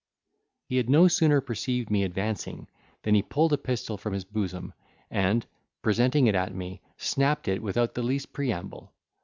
He had no sooner perceived me advancing than he pulled a pistol from his bosom, and, presenting it at me, snapped it without the least preamble.